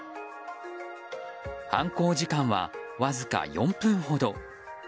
犯行時間は、わずか４分ほど。